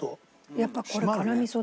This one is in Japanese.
やっぱこれ辛味噌だな。